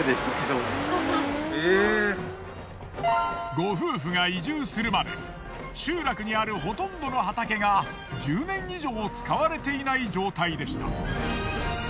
ご夫婦が移住するまで集落にあるほとんどの畑が１０年以上使われていない状態でした。